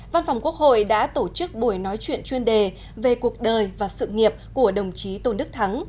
văn phòng quốc hội đã tổ chức buổi nói chuyện chuyên đề về cuộc đời và sự nghiệp của đồng chí tôn đức thắng